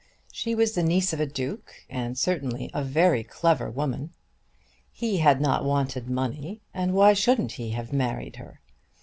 She was the niece of a Duke, and certainly a very clever woman. He had not wanted money and why shouldn't he have married her?